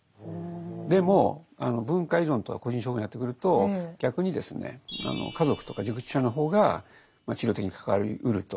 でも文化依存とか個人症候群になってくると逆にですね家族とか熟知者の方が治療的に関わりうると。